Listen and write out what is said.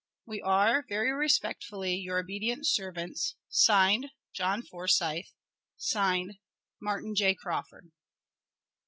We are, very respectfully, your obedient servants, (Signed) JOHN FORSYTH. (Signed) MARTIN J. CRAWFORD.